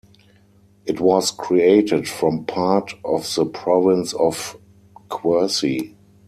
It was created from part of the province of Quercy.